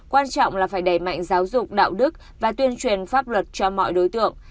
quan trọng là phải đẩy mạnh giáo dục đạo đức và tuyên truyền pháp luật cho mọi đối tượng